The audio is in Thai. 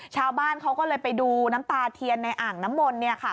ชาวบ้านเขาก็เลยไปดูน้ำตาเทียนในอ่างน้ำมนต์เนี่ยค่ะ